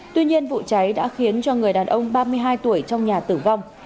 tuy nhiên vụ cháy đã khiến cho người đàn ông ba mươi hai tuổi trong nhà tử vong